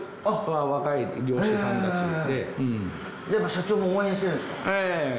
社長も応援してるんですか？